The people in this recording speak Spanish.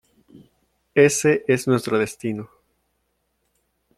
Ése es nuestro destino